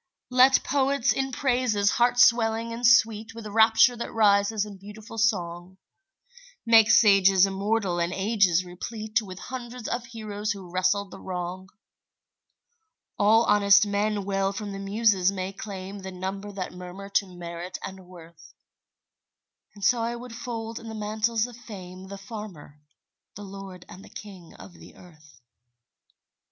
Let poets in praises heart swelling and sweet With rapture that rises in beautiful song, Make sages immortal and ages replete With hundreds of heroes who wrestled the wrong; All honest men well from the Muses may claim The numbers that murmur to merit and worth, And so I would fold in the mantles of fame The farmer, the lord and the king of the earth.